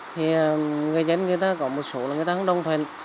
thì người dân có một số người ta không đồng thuyền